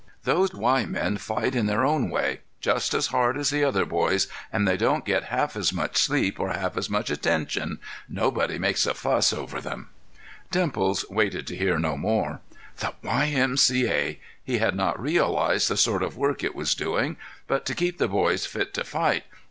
"Those Y men fight, in their way, just as hard as the other boys, and they don't get half as much sleep or half as much attention. Nobody makes a fuss over them." Dimples waited to hear no more. The Y. M. C. A.! He had not realized the sort of work it was doing. But to keep the boys fit to fight!